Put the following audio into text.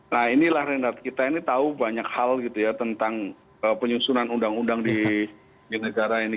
nah inilah renard kita ini tahu banyak hal gitu ya tentang penyusunan undang undang di negara ini